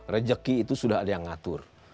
rejeki itu sudah ada yang ngatur